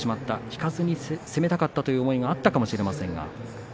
引かずに攻めたかったというところもあったかもしれませんね。